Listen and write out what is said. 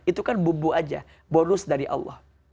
itu kan bumbu aja bonus dari allah